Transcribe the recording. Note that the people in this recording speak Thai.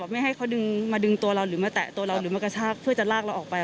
ไม่ให้เขาดึงมาดึงตัวเราหรือมาแตะตัวเราหรือมากระชากเพื่อจะลากเราออกไป